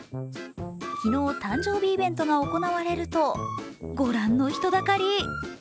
昨日、誕生日イベントが行われると、ご覧の人だかり。